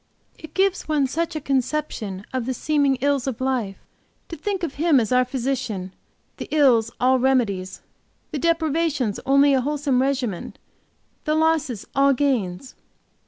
It gives one such a conception of the seeming ills of life; to think of Him as our Physician, the ills all remedies, the deprivations only a wholesome regimen, the losses all gains.